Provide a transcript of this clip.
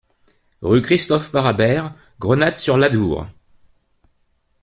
Rue Christophe Parabère, Grenade-sur-l'Adour